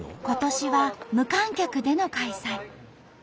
今年は無観客での開催。